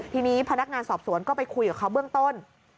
ทีนี้พนักงานสอบสวนก็ไปคุยกับเขาเบื้องต้น